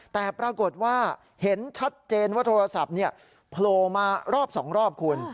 แต่ปรากฏว่าเห็นชัดเจนว่าโทรศัพท์โผล่มารอบ๒รอบคุณ